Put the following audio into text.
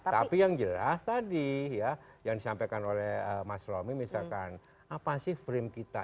tapi yang jelas tadi ya yang disampaikan oleh mas romy misalkan apa sih frame kita